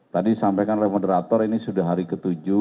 tadi disampaikan oleh moderator ini sudah hari ke tujuh